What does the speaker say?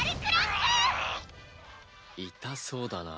痛そうだな。